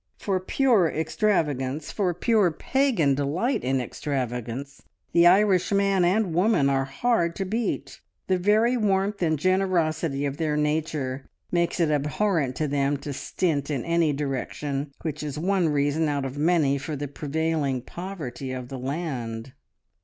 For pure extravagance, for pure pagan delight in extravagance, the Irishman and woman are hard to beat. The very warmth and generosity of their nature makes it abhorrent to them to stint in any direction, which is one reason, out of many, for the prevailing poverty of the land.